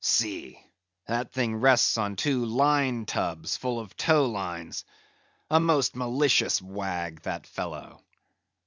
See! that thing rests on two line tubs, full of tow lines. A most malicious wag, that fellow.